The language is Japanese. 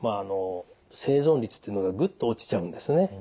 生存率っていうのがグッと落ちちゃうんですね。